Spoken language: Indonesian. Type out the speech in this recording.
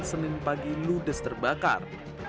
senin pagi ludes terbakar